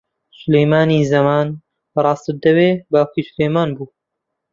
سولەیمانی زەمان، ڕاستت دەوێ، باوکی سولەیمان بوو